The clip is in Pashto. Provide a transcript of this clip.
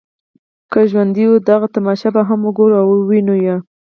که ژوندي وو دغه تماشه به هم وګورو او وینو.